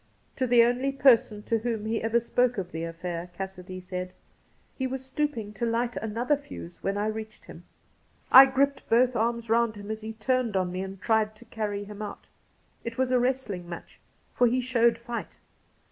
To the only person to whom he ever spoke of the affair, Cassidy said :' He was stooping to light another fuse when I reached him. I gripped both arms round him as he turned on me and tried to carry him out. It was a wrestling match, for he showed fight.